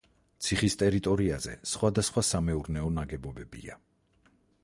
ციხის ტერიტორიაზე სხვადასხვა სამეურნეო ნაგებობებია.